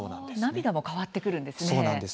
涙も変わってくるんですね。